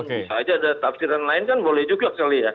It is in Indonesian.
bisa aja ada tafsiran lain kan boleh juga kali ya